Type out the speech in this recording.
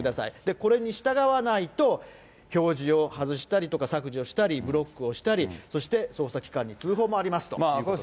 これに従わないと、表示を外したりとか、削除したり、ブロックをしたり、そして捜査機関に通報もありますということです。